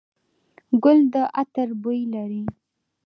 ګل د عطر بوی لري.